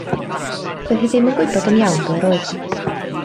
Doedd hi ddim yn gwybod yn iawn ble roedd hi.